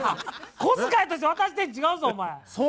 小遣いとして渡してん違うぞお前。